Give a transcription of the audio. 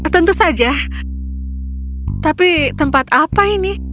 tentu saja tapi tempat apa ini